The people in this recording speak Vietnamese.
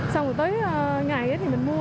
xong rồi tới ngày thì mình mua